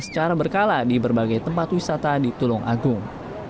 secara berkala di berbagai tempat wisata di tulung agung